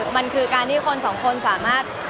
มันคือการที่คนสองคนสามารถ